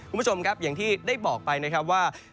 คุณผู้ชมครับอย่างที่ได้บอกไปนะครับว่า